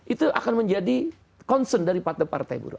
itu akan menjadi concern dari partai partai buruh